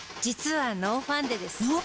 実はノーファンデです。